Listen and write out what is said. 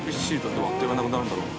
でもあっという間になくなるんだろうな。